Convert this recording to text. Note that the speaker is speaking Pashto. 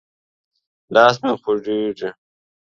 لاس مې خوږېږي.